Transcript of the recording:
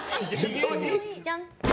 じゃん！